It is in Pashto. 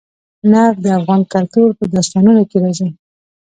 نفت د افغان کلتور په داستانونو کې راځي.